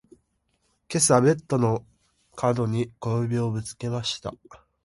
今朝ベッドの角に小指をぶつけました。